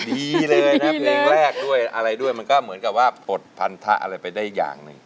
ดีเลยนะเพลงแรกด้วยอะไรด้วยมันก็เหมือนกับว่าปลดพันธะอะไรไปได้อย่างหนึ่ง